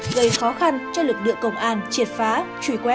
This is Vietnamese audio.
gây khó khăn cho lực lượng công an triệt phá truy quét